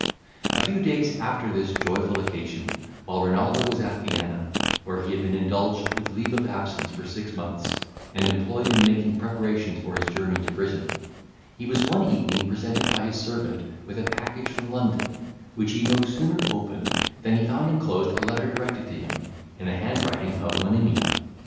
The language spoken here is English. A few days after this joyful occasion, while Renaldo was at Vienna, where he had been indulged with leave of absence for six months, and employed in making preparations for his journey to Britain, he was one evening presented by his servant with a package from London, which he no sooner opened, than he found enclosed a letter directed to him, in the handwriting of Monimia.